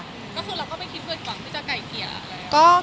ก็คือเราก็ไม่คิดเพื่อนฝั่งที่จะไก่เกียร์อะค่ะ